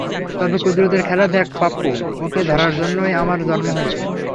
তবে কুদরতের খেলা দেখ পাপ্পু, ওকে ধরার জন্যই আবার জন্ম হইছে।